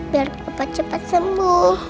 biar papa cepat sembuh